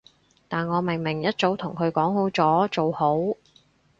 但我明明一早同佢講好咗，做好